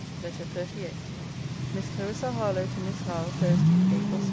LETTER XXXVIII MISS CLARISSA HARLOWE, TO MISS HOWE THURSDAY, APRIL 6.